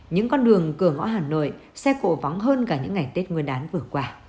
những con đường cửa ngõ hà nội xe cộ vắng hơn cả những ngày tết nguyên đán vừa qua